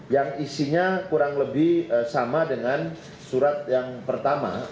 yang isinya kurang lebih sama dengan surat yang pertama